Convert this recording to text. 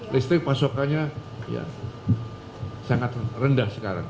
listrik pasokannya sangat rendah sekarang